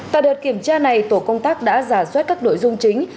tại đợt kiểm tra này tổ công tác đã giả soát các nội dung chính